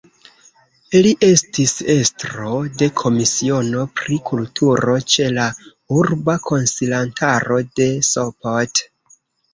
Li estis estro de Komisiono pri Kulturo ĉe la Urba Konsilantaro de Sopot.